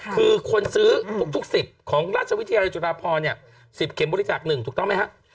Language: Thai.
คือคนซื้อทุก๑๐ของราชวิทยาลัยจุฬาพร๑๐เข็มบริจาค๑ถูกต้องไหมครับ